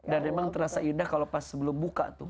dan memang terasa indah kalau pas sebelum buka tuh